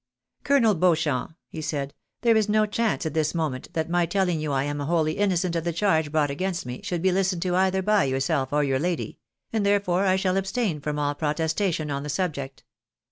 " Colonel Beauchamp," he said, " there is no chance at this moment that my telling you I am wholly innocent of the charge brought against me, should be Hstened to either by yourself or your lady ; and therefore I shall abstain from all protestation on the subject.